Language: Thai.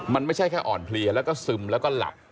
มันไม่ใช่แค่อ่อนเพลียแล้วก็ซึมแล้วก็หลับ